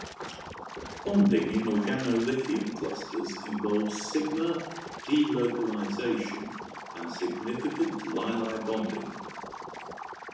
Bonding in organolithium clusters involves sigma delocalization and significant Li-Li bonding.